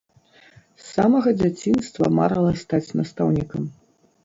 З самага дзяцінства марыла стаць настаўнікам.